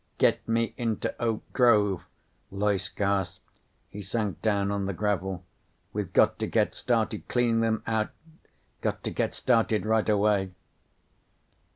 "Get me into Oak Grove," Loyce gasped. He sank down on the gravel. "We've got to get started cleaning them out. Got to get started right away."